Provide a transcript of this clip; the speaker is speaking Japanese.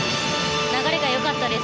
流れが良かったです。